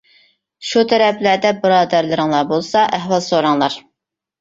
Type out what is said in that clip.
شۇ تەرەپلەردە بۇرادەرلىرىڭلار بولسا ئەھۋال سوراڭلار.